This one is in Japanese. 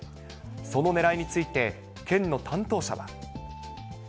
そのねらいについて、県の担当者は。